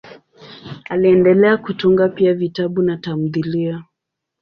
Aliendelea kutunga pia vitabu na tamthiliya.